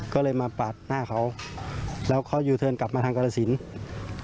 ก็เลยมาปาดหน้าเขาแล้วเขายูเทิร์นกลับมาทางกรสิน